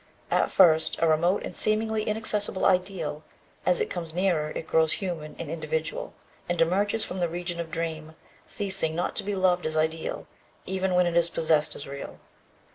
At first, a remote and seemingly inaccessible ideal, as it comes nearer it grows human and individual, and emerges from the region of dream, ceasing not to be loved as ideal, even when it is possessed as real.